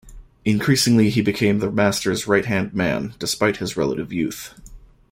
Increasingly he became the master's right-hand man, despite his relative youth.